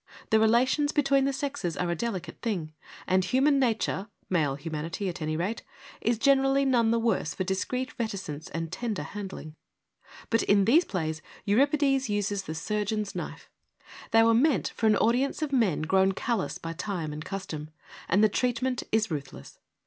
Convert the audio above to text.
The relations between the sexes are a delicate thing ; and human nature, male humanity at any rate, is generally none the worse for discreet reticence and tender handling. But in these plays Euripides uses the surgeon's knife. They were meant for an audience of men, grown callous by time and custom ; and the treatment is ruthless.